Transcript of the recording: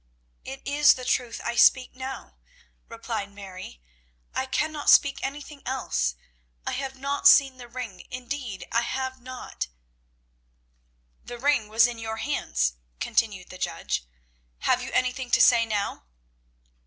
"It is the truth I speak now," replied Mary. "I cannot speak anything else. I have not seen the ring, indeed I have not." "The ring was seen in your hands," continued the judge; "have you anything to say now?"